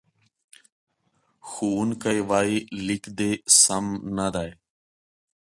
ښوونکی وایي، لیک دې سم نه دی.